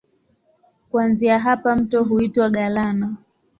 Kuanzia hapa mto huitwa Galana.